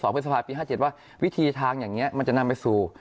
พฤษภาปี๕๗ว่าวิธีทางอย่างนี้มันจะนำไปสู่